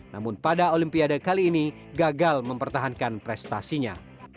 namun pada olimpiade kali ini gagal mempertahankan prestasinya